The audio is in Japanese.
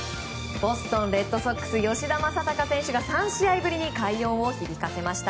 ボストン・レッドソックス吉田正尚選手が３試合ぶりに快音を響かせました。